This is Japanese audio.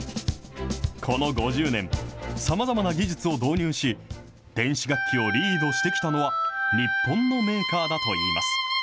この５０年、さまざまな技術を導入し、電子楽器をリードしてきたのは、日本のメーカーだといいます。